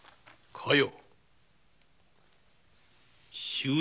加代。